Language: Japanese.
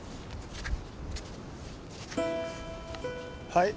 はい。